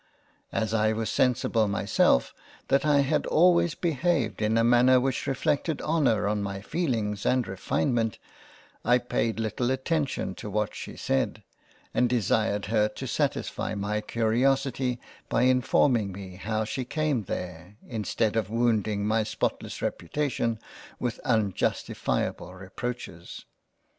As I was sensible myself, that I had always behaved in a manner which reflected Honour on my Feelings and Refinement, I paid little attention to what she said, and desired her to satisfy my Curiosity by informing me how she came there, instead of wounding my spotless reputation with unjustifiable Reproaches.